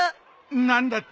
何だって！？